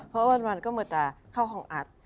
เพราะวันก็เหมือนจะเข้าห้องอัด